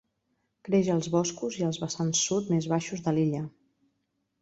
Creix als boscos i als vessants sud més baixos de l'illa.